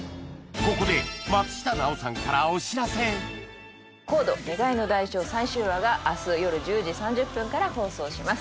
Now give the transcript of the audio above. ここで『ＣＯＤＥ願いの代償』最終話が明日夜１０時３０分から放送します。